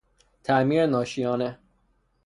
تعمیر ناشیانه